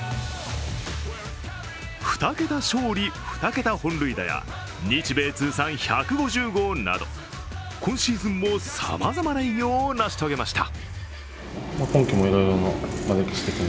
２桁勝利・２桁本塁打や日米通算１５０号など今シーズンもさまざまな偉業を成し遂げました。